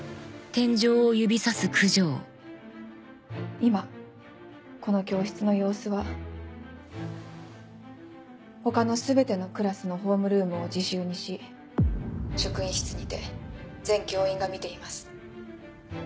今この教室の様子は他の全てのクラスのホームルームを自習にし職員室にて全教員が見ています。